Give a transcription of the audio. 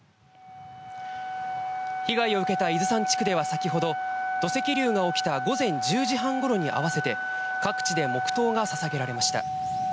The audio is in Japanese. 被害を受けた伊豆山地区では先ほど土石流が起きた午前１０時半頃に合わせて、各地で黙祷がささげられました。